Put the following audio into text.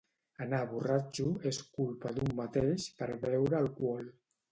Anar borratxo és culpa d'un mateix per beure alcohol